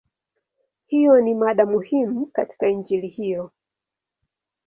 Hiyo ni mada muhimu katika Injili hiyo.